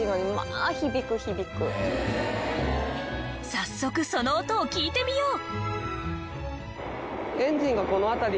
早速その音を聞いてみよう！